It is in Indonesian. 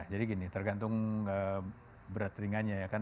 jadi gini tergantung berat ringannya ya kan